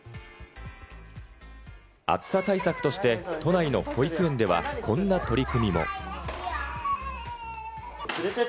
暑さ対策として、都内の保育園ではこんな取り組みも。